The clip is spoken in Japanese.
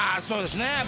そうですね